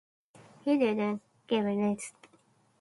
He died in Mecklenburg.